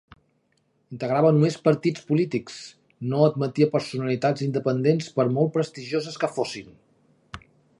Integrava només partits polítics, no admetia personalitats independents per molt prestigioses que fossin.